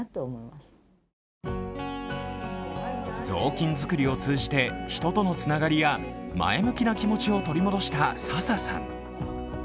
雑巾作りを通じて人とのつながりや前向きな気持ちを取り戻した佐々さん。